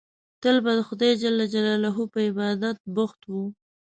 تل به د خدای جل جلاله په عبادت بوخت وو.